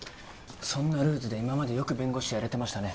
そんなルーズで今までよく弁護士やれてましたね。